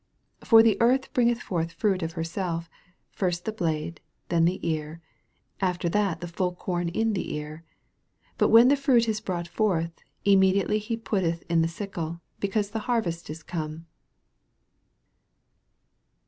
28 For the earth bringeth forth fruit of herself; first the blade ? then the ear, after that the full corn in the ear. 29 But when the fruit is brought forth, immediately he putteth in the sickle, because the harvest is come.